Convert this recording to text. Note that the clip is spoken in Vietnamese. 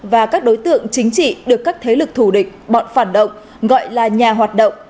và các đối tượng chính trị được các thế lực thù địch bọn phản động gọi là nhà hoạt động